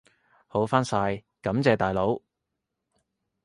好返晒，感謝大佬！